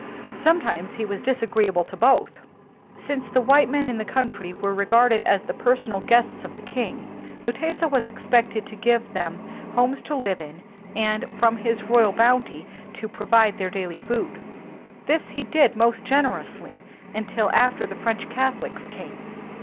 Sometimes he was disagreeable to both. Since the white men in the country were regarded as the personal guests of the king, Mutesa was expected to give them homes to live in and from his royal bounty to provide their daily food. This he did most generously until after the French Cath olics came.